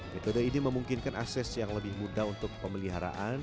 metode ini memungkinkan akses yang lebih mudah untuk pemeliharaan